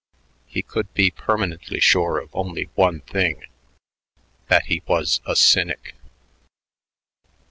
He could be permanently sure of only one thing, that he was a cynic.